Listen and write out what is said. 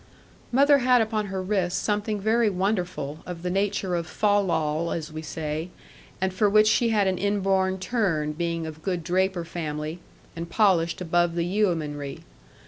Mother had upon her wrists something very wonderful, of the nature of fal lal as we say, and for which she had an inborn turn, being of good draper family, and polished above the yeomanry.